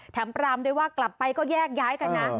ปรามด้วยว่ากลับไปก็แยกย้ายกันนะ